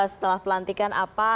setelah pelantikan apa